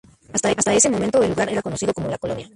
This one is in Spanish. Hasta ese momento el lugar era conocido como "La Colonia".